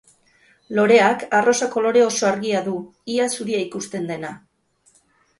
Loreak arrosa kolore oso argia du, ia zuria ikusten dena.